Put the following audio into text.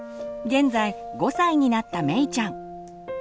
現在５歳になっためいちゃん。